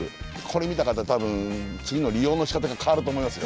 これ見た方多分次の利用のしかたが変わると思います。